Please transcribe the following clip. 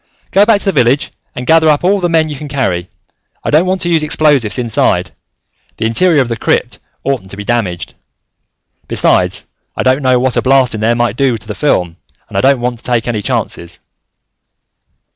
"Go back to the village and gather up all the men you can carry. I don't want to use explosives inside. The interior of the crypt oughtn't to be damaged. Besides, I don't know what a blast in there might do to the film, and I don't want to take any chances."